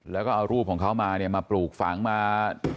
แล้วก็เอารูปของเขามาเนี่ยมาปลูกฝังมา